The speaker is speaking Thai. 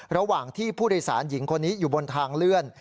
ระหว่างที่ผู้โดยสารหญิงคนนี้อยู่บนทางเลื่อน